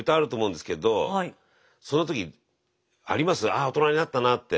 ああ大人になったなぁって。